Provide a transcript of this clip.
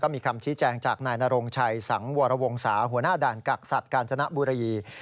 มีคำชี้แจงจากนายนโรงชัยสังวรวงศาหัวหน้าด่านกักสัตว์กาญจนบุรี